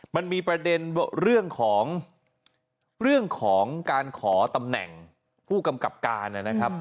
มันมีประเด็นเรื่องของเรื่องของการขอตำแหน่งผู้กำกับการนะครับ